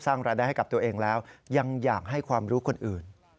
สร้างรายได้ให้กับตัวเองแล้วยังอยากให้ความรู้คนอื่น